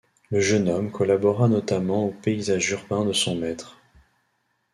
Le jeune homme collabora notamment aux paysages urbains de son maître.